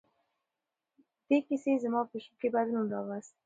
دې کیسې زما په ژوند کې بدلون راوست.